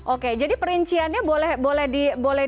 oke jadi perinciannya boleh